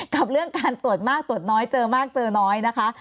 กับเรื่องการตรวจมากตรวจน้อยเจอมากเจอน้อยนะคะ